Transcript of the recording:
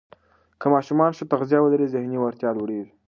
که ماشومان ښه تغذیه ولري، ذهني وړتیا لوړېږي.